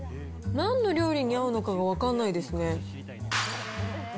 なんの料理に合うのかが分からないですね。